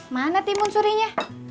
mana timun suri nya